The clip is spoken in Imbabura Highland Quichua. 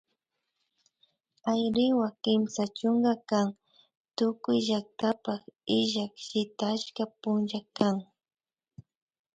Ayriwa Kimsa chunka kan tukuy llaktapak illak shitashka punlla kan